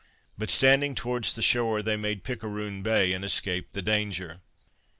But standing towards the shore, they made Pickeroon Bay, and escaped the danger.